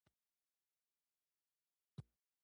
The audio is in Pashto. کوږ ذهن له روښان فکر نه کرکه لري